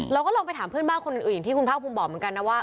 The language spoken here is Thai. เราก็ลองไปถามเพื่อนบ้านคนอื่นอย่างที่คุณภาคภูมิบอกเหมือนกันนะว่า